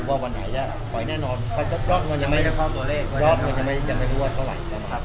ขอมาช่วย